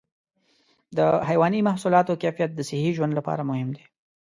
د حيواني محصولاتو کیفیت د صحي ژوند لپاره مهم دی.